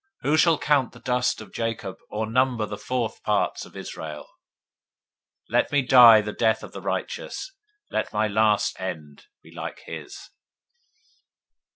023:010 Who can count the dust of Jacob, Or number the fourth part of Israel? Let me die the death of the righteous, Let my last end be like his!